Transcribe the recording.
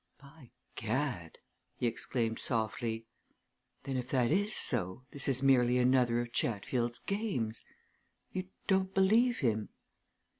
"By gad!" he exclaimed softly. "Then, if that is so, this is merely another of Chatfield's games. You don't believe him?"